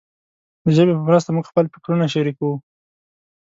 د ژبې په مرسته موږ خپل فکرونه شریکوو.